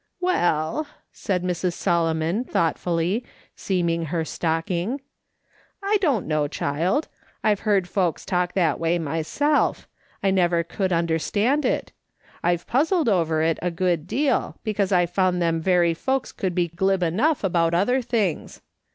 " Well," said Mrs. Solomon, thoughtfully seaming her stocking, " I don't know, child ; I've heard folks talk that way myself; I never could understand it; I've puzzled over it a good deal, because I found them very folks could be glib enough about other things.